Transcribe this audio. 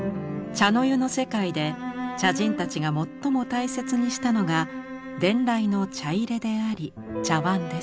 茶の湯の世界で茶人たちが最も大切にしたのが伝来の茶入であり茶碗です。